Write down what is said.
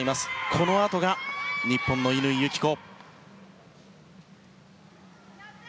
このあとが日本の乾友紀子。